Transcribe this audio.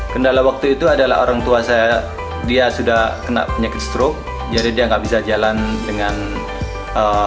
kendala waktu itu adalah orang tua saya dia sudah kena penyakit stroke jadi dia nggak bisa jalan dengan baik